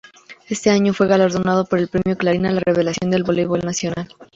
Ese año fue galardonado por el Premio Clarín a la Revelación del voleibol nacional.